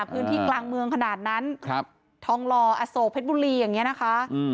พื้นที่กลางเมืองขนาดนั้นทองหล่ออโศกเพชรบุรีอย่างนี้นะคะ